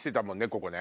ここね。